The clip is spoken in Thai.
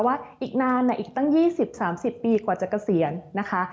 ว่าอีกนานอีกตั้ง๒๐๓๐ปีกว่าจะเกษียณนะคะ